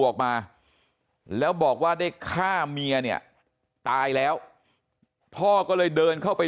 ออกมาแล้วบอกว่าได้ฆ่าเมียเนี่ยตายแล้วพ่อก็เลยเดินเข้าไป